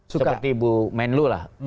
seperti ibu menlu lah